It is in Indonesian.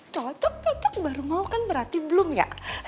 cocok cocok baru mau kan berarti belum ya